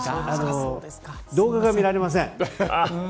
動画が見られません。